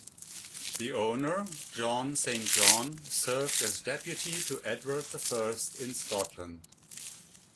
The owner, John Saint John, served as deputy to Edward the First in Scotland.